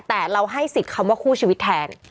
แต่เราให้สิทธิ์คำว่าคู่ชีวิตแทน